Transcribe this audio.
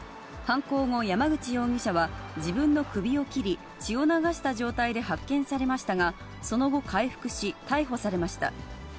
犯行後、山口容疑者は自分の首を切り、血を流した状態で発見されましたが、その後、回復し、逮捕されました。